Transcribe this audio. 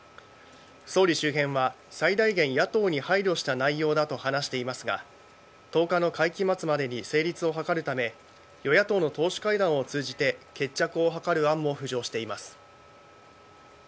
総理周辺は最大限、野党に配慮した内容だと話していますが１０日の会期末までに成立を図るため与野党の党首会談を通じて決着を図る案も浮上しています。